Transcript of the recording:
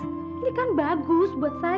ini kan bagus buat saya